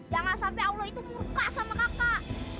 jangan sampai allah itu murka sama kakak